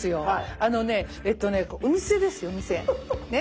あのねえっとねお店ですお店。